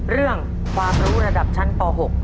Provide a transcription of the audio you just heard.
เรื่องความรู้ระดับชั้นป๖